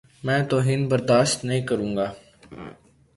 میں توہین برداشت نہیں کروں گا۔